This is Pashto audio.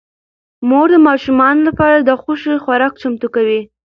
مور د ماشومانو لپاره د خوښې خوراک چمتو کوي